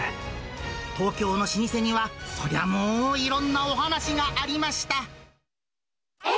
東京の老舗には、そりゃもう、いろんなお話がありました。